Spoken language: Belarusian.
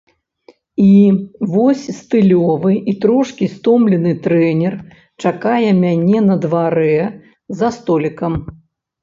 І вось стылёвы і трошкі стомлены трэнер чакае мяне на дварэ за столікам.